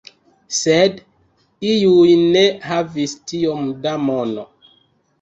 Sed iuj ne havis tiom da mono.